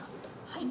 はい。